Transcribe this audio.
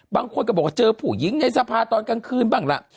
บางคนก็บอกว่าเจอผู้หญิงในสภาตอนกลางคืนบ้างล่ะ